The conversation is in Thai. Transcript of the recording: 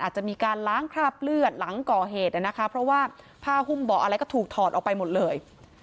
อาจจะมีการล้างคราบเลือดหลังก่อเหตุนะคะเพราะว่าผ้าหุ้มเบาะอะไรก็ถูกถอดออกไปหมดเลย